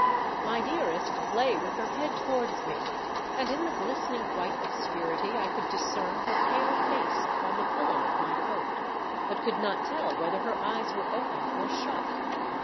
My dearest lay with her head towards me, and in the glisten ing white obscurity I could discern her pale face upon the pillow of my coat, but could not tell whether her eyes were open or shut.